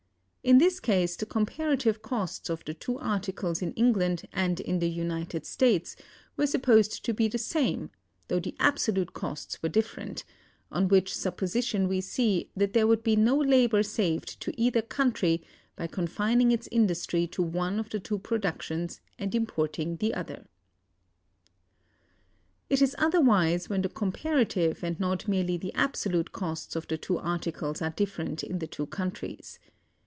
In this case the comparative costs of the two articles in England and in the United States were supposed to be the same, though the absolute costs were different; on which supposition we see that there would be no labor saved to either country by confining its industry to one of the two productions and importing the other. It is otherwise when the comparative and not merely the absolute costs of the two articles are different in the two countries.